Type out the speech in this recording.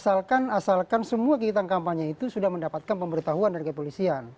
asalkan asalkan semua kegiatan kampanye itu sudah mendapatkan pemberitahuan dari kepolisian